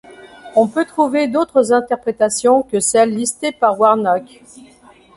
On peut trouver d'autres interprétations que celles listées par Warnock.